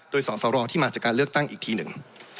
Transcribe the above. โดยสอสรที่มาจากการเลือกตั้งอีกทีหนึ่ง